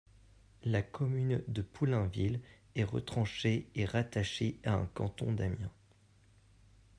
La commune de Poulainville est retranchée et rattachée à un canton d'Amiens.